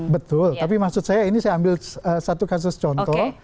betul tapi maksud saya ini saya ambil satu kasus contoh